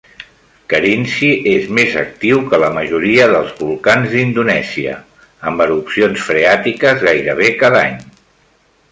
Kerinci és més actiu que la majoria dels volcans d'Indonèsia, amb erupcions freàtiques gairebé cada any.